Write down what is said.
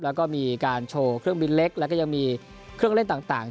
แล้วก็มีการโชว์เครื่องบินเล็กแล้วก็ยังมีเครื่องเล่นต่าง